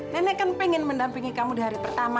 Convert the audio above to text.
nenek kan pengen mendampingi kamu di hari pertama